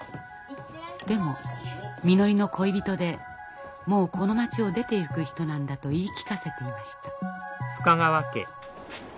でもみのりの恋人でもうこの町を出ていく人なんだと言い聞かせていました。